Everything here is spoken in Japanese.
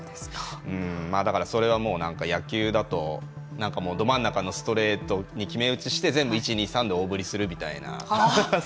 だから、それはもう野球だとなんかもう、ど真ん中のストレートに決め打ちして全部１、２、３で大振りするみたいな。